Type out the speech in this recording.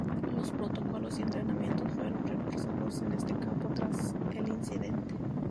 Los protocolos y entrenamiento fueron reforzados en este campo tras el incidente.